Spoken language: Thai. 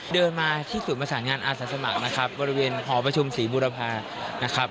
เดินมาที่ศูนย์ประสานงานอาสาสมัครนะครับบริเวณหอประชุมศรีบุรพานะครับ